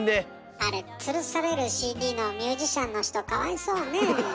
あれつるされるＣＤのミュージシャンの人かわいそうねえ。